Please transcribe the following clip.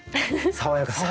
爽やかさ。